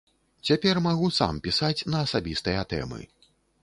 Цяпер магу сам пісаць на асабістыя тэмы.